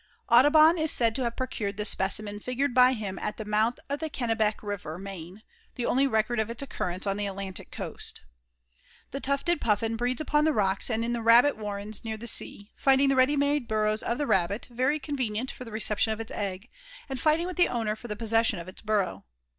Audubon is said to have procured the specimen figured by him at the mouth of the Kennebec river, Maine, the only record of its occurrence on the Atlantic coast. The Tufted Puffin breeds upon the rocks and in the Rabbit warrens near the sea, finding the ready made burrows of the Rabbit very convenient for the reception of its egg, and fighting with the owner for the possession of its burrow.